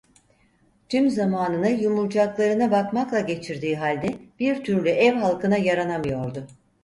Tüm zamanını yumurcaklarına bakmakla geçirdiği halde, bir türlü ev halkına yaranamıyordu.